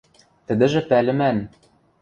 – Тӹдӹжӹ пӓлӹмӓн...